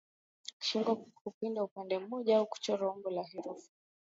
Shingo hupinda upande mmoja au kuchora umbo la herufi